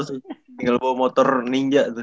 tinggal bawa motor ninja tuh